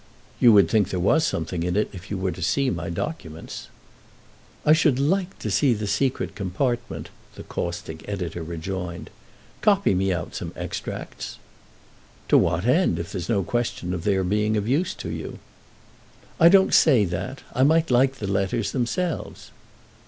"You would think there was something in it if you were to see my documents." "I should like to see the secret compartment," the caustic editor rejoined. "Copy me out some extracts." "To what end, if there's no question of their being of use to you?" "I don't say that—I might like the letters themselves."